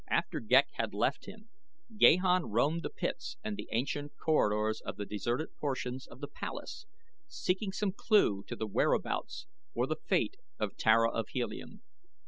After Ghek had left him Gahan roamed the pits and the ancient corridors of the deserted portions of the palace seeking some clue to the whereabouts or the fate of Tara of Helium.